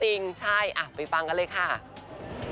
อย่างหลังที่ออมสัมภาษณ์มาตลอดอย่างนี้